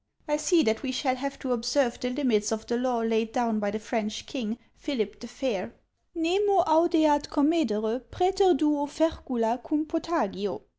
I see that we shall have to observe the limits of the law laid down by the French king, Philip the Fair, — Nemo audeat comcdere prceter duo fercula cum potagio.